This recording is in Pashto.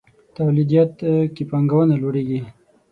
توليديت کې پانګونه لوړېږي.